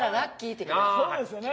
そうですよね。